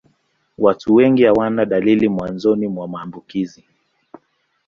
Watu wengi hawana dalili mwanzoni mwa maambukizi.